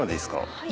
はい。